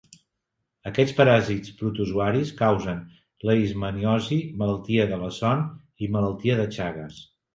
Aquests paràsits protozoaris causen leishmaniosi, malaltia de la son i malaltia de Chagas.